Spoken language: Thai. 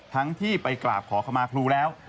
ทั้งที่ไปกราบขอขมาครูแล้ว